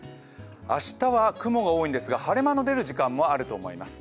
明日は雲が多いんですが晴れ間の出る時間もあると思います。